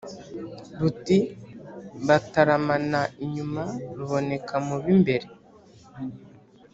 ruti bataramana inyuma, ruboneka mu b'imbere,